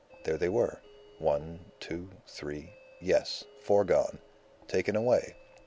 There they were. One, two, three. Yes, four gone. Taken away.